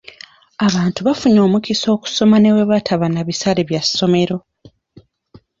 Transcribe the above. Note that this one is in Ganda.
Abantu bafunye omukisa okusoma ne bwe bataba na bisale bya ssomero.